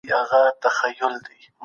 ملي شورا نوی تړون نه لاسلیک کوي.